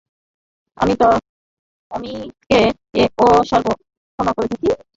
অমিতকে ও সর্বান্তঃকরণে ক্ষমা করেছে।